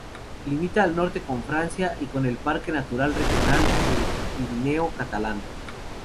Limita al norte con Francia y con el Parque Natural Regional del Pirineo Catalán.